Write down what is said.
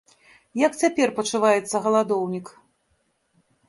Як цяпер пачуваецца галадоўнік?